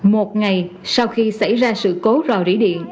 một ngày sau khi xảy ra sự cố rò rỉ điện